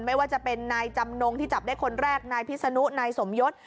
ไม่ว่าจะเป็นนายจำนงที่จับได้คนแรกนายพิษนุนายสมยศ